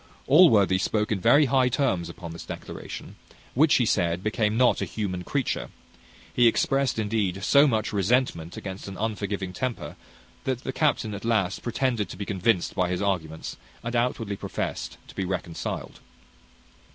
Allworthy spoke in very high terms upon this declaration, which, he said, became not a human creature. He expressed, indeed, so much resentment against an unforgiving temper, that the captain at last pretended to be convinced by his arguments, and outwardly professed to be reconciled.